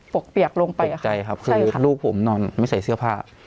กเปียกลงไปตกใจครับคือลูกผมนอนไม่ใส่เสื้อผ้า